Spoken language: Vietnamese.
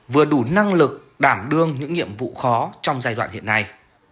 vừa đủ năng lực đảm đương những nhiệm vụ khó trong giai đoạn hiện nay